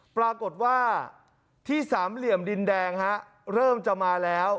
ปรากฏว่าที่สามเหลี่ยมดินแดงเริ่มจะมาแล้ว